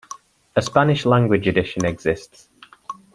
A Spanish language edition exists.